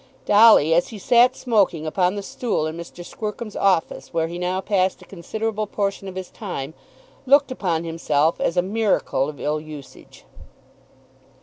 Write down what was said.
Dolly, as he sat smoking upon the stool in Mr. Squercum's office, where he now passed a considerable portion of his time, looked upon himself as a miracle of ill usage.